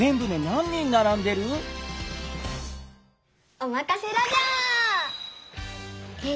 おまかせラジャー！